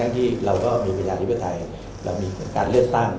ที่เราก็มีประชาธิปไตยเรามีการเลือกตั้ง